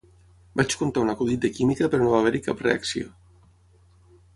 Vaig contar un acudit de química, però no va haver-hi cap reacció